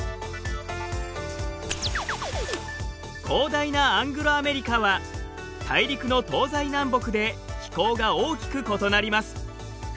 広大なアングロアメリカは大陸の東西南北で気候が大きく異なります。